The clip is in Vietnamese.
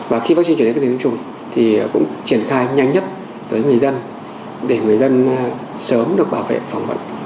và khi vaccine chuyển đến các điểm tiêm chủng thì cũng triển khai nhanh nhất tới người dân để người dân sớm được bảo vệ phòng vận